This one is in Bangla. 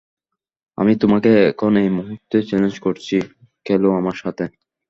আমি তোমাকে এখন এই মুহূর্তে চ্যালেঞ্জ করছি, খেলো আমার সাথে।